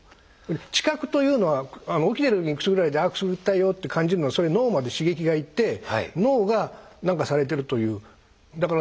「知覚」というのは起きてる時にくすぐられてくすぐったいよと感じるのがそれ脳まで刺激が行って脳が何かされてるという。